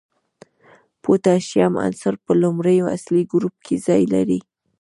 د پوتاشیم عنصر په لومړي اصلي ګروپ کې ځای لري.